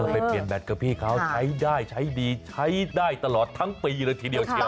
ไปเปลี่ยนแบตกับพี่เขาใช้ได้ใช้ดีใช้ได้ตลอดทั้งปีเลยทีเดียวเชียว